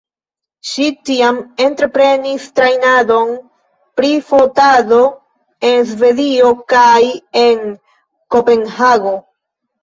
Ŝi tiam entreprenis trejnadon pri fotado en Svedio kaj en Kopenhago.